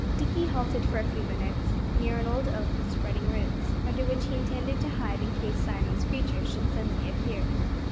Dickie halted for a few minutes, near an old oak with spreading roots, under which he intended to hide in case Simon Screecher should suddenly appear.